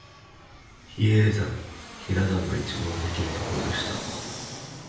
比叡山、比良山が一望できるところでした